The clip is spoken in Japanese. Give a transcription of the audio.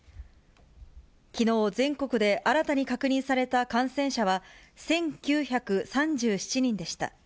きのう、全国で新たに確認された感染者は、１９３７人でした。